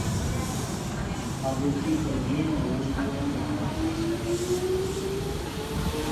A butí a bon nɛ́ mɔ awʉ́ bíyɛ́ ba ápə́.